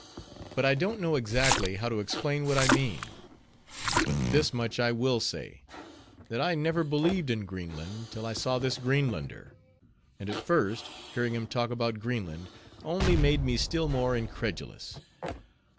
But I don't know exactly how to explain what I mean; but this much I will say, that I never believed in Greenland till I saw this Greenlander. And at first, hearing him talk about Greenland, only made me still more incredulous.